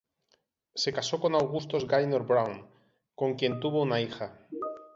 Se casó con Augustus Gaynor Brown, con quien tuvo una hija.